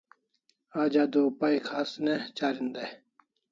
Aj adua pay khas ne charin dai